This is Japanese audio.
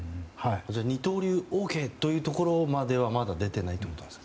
二刀流ＯＫというところまではまだ出てないということですか。